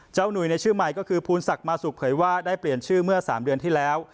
หนุ่ยในชื่อใหม่ก็คือภูนศักดิ์มาสุกเผยว่าได้เปลี่ยนชื่อเมื่อ๓เดือนที่แล้ว